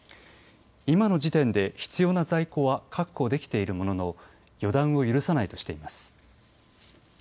今の時点で必要な在庫は確保できているものの予断を許さないとしています。